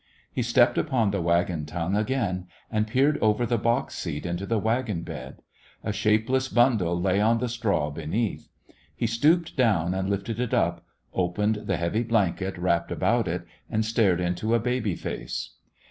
He stepped upon the wagon tongue again and peered over the box seat into the wagon bed. A shapeless bundle lay on the straw be neath. He stooped down and lifted it up, opened the heavy blanket wrapped about it and stared into a baby face.